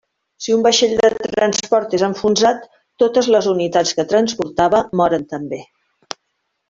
Si un vaixell de transport és enfonsat, totes les unitats que transportava moren també.